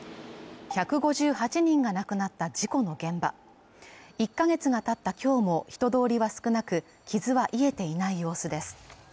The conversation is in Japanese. １５８人が亡くなった事故の現場１か月が経った今日も人通りは少なく傷は癒えていない様子です